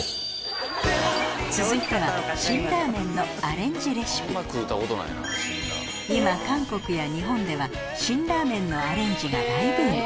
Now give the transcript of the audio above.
続いては辛ラーメンのアレンジレシピ今韓国や日本では辛ラーメンのアレンジが大ブーム